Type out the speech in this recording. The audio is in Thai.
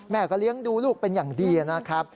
แม่ก็เลี้ยงดูลูกเป็นอย่างดีนะครับ